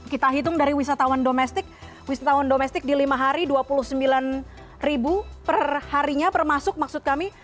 kita hitung dari wisatawan domestik wisatawan domestik di lima hari dua puluh sembilan ribu perharinya termasuk maksud kami